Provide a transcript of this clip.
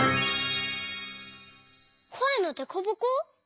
「こえのデコボコ」？